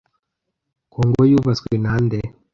congo yubatswe na nde